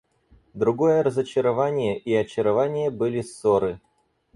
Другое разочарование и очарование были ссоры.